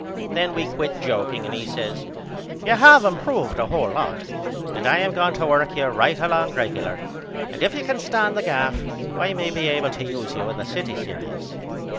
Then we quit jokeing and he says You have improved a hole lot and I am going to work you right along regular and if you can stand the gaff I may be able to use you in the city serious.